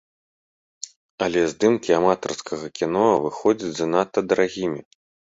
Але здымкі аматарскага кіно выходзяць занадта дарагімі.